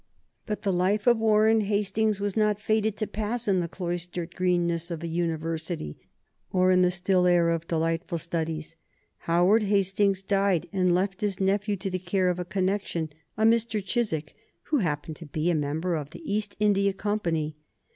But the life of Warren Hastings was not fated to pass in the cloistered greenness of a university or in the still air of delightful studies. Howard Hastings died and left his nephew to the care of a connection, a Mr. Chiswick, who happened to be a member of the East India Company.